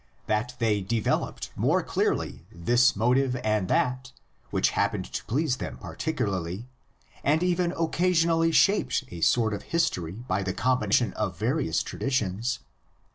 59); that they developed more clearly this motive and that, which happened to please them particularly, and even occasionally reshaped a sort of history by the com bination of various traditions (^Com.